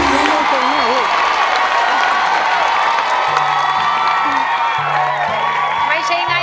คุณยายแดงคะทำไมต้องซื้อลำโพงและเครื่องเสียง